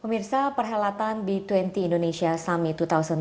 pemirsa perhelatan b dua puluh indonesia summit dua ribu dua puluh